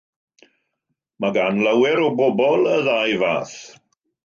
Mae gan lawer o bobl y ddau fath.